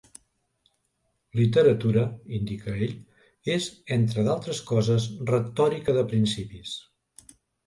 "Literatura", indica ell, "és, entre d'altres coses, retòrica de principis".